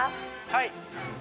はい。